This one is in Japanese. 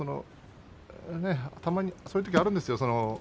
たまに、そういうときあるんですよ